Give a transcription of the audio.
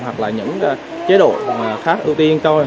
hoặc là những chế độ khác ưu tiên